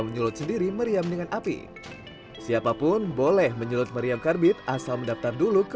menyulut sendiri meriam dengan api siapapun boleh menyulut meriam karbit asal mendaftar dulu ke